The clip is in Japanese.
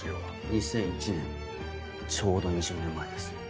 ２００１年ちょうど２０年前です。